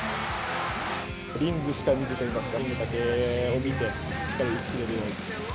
リングしか見ずといいますか、リングだけを見て、しっかり打ちきれるように。